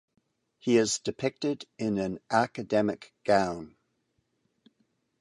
He is depicted in an academic gown.